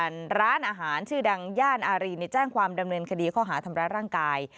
ย่านอารีย์ในแจ้งความดำเนินคดีข้อหาธรรมรัฐร่างกาย